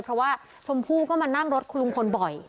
เพราะว่าชมพู่ก็มานั่งรถคุณลุงพลบ่อย